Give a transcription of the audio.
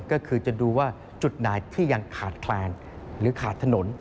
ก็คือจะดูว่าจุดไหนที่ยังขาดแคลนหรือขาดถนน